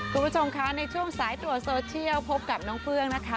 คุณผู้ชมคะในช่วงสายตรวจโซเชียลพบกับน้องเฟื้องนะคะ